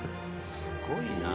すごいな。